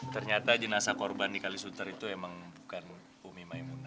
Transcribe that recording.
ternyata jenasa korban di kalisunter itu emang bukan umi maimunah